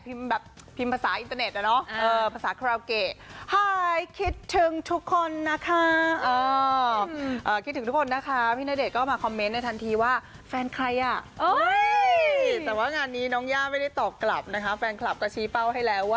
พิมพ์แบบพิมพ์ภาษาอินเตอร์เน็ตอ่ะเนาะภาษาเคราเกต